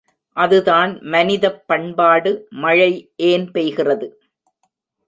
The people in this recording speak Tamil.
அதுதான் மனிதப் பண்பாடு மழை ஏன் பெய்கிறது?